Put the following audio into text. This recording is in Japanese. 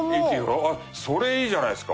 あっそれいいじゃないですか。